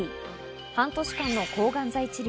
半年間の抗がん剤治療。